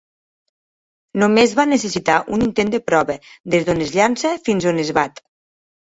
Només va necessitar un intent de prova des d'on es llança fins on es bat.